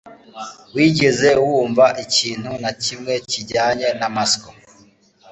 Wigeze wumva ikintu na kimwe kijyanye na Misako?